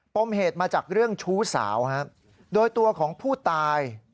มเหตุมาจากเรื่องชู้สาวโดยตัวของผู้ตาย